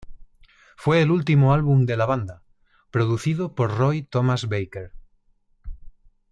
Fue el último álbum de la banda producido por Roy Thomas Baker.